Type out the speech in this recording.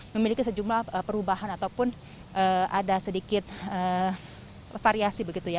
memiliki sejumlah perubahan ataupun ada sedikit variasi begitu ya